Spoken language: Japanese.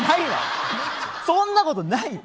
そんなことないよ。